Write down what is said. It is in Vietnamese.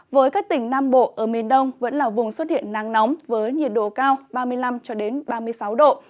với các tỉnh nam bộ ở miền đông vẫn là vùng xuất hiện nắng nóng với nhiệt độ cao ba mươi năm ba mươi sáu độ